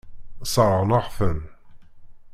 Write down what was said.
Sseṛɣen-aɣ-ten.